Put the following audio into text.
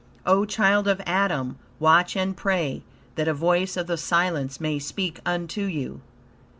O child of Adam! Watch and pray, that a voice of the silence may speak unto you.